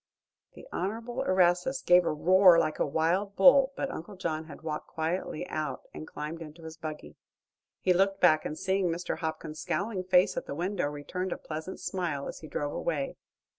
The Honorable Erastus gave a roar like a wild bull, but Uncle John had walked quietly out and climbed into his buggy. He looked back, and seeing Mr. Hopkins's scowling face at the window returned a pleasant smile as he drove away. Mr.